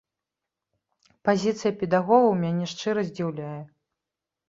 Пазіцыя педагогаў мяне шчыра здзіўляе.